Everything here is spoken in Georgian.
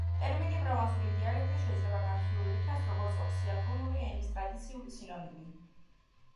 ტერმინი პროვანსული დიალექტი შეიძლება განხილულ იქნას როგორც ოქსიტანური ენის ტრადიციული სინონიმი.